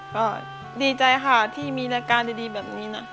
ก็ดีใจค่ะที่มีรายการดีแบบนี้นะ